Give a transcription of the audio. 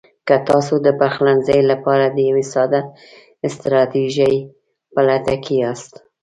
که تاسو د پخلنځي لپاره د یوې ساده ستراتیژۍ په لټه کې یاست: